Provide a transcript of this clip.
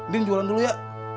din jualan dulu ya